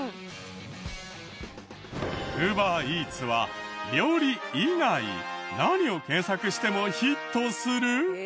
ウーバーイーツは料理以外何を検索してもヒットする？